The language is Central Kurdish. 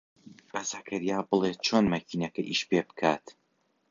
بە زەکەریا بڵێ چۆن مەکینەکە ئیش پێ بکات.